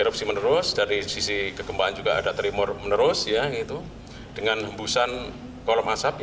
erupsi menerus dari sisi kegembangan juga ada terimur menerus dengan hembusan kolom asap